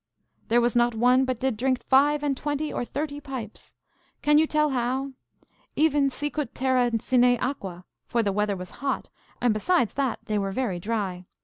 There was not one but did drink five and twenty or thirty pipes. Can you tell how? Even sicut terra sine aqua; for the weather was hot, and, besides that, they were very dry.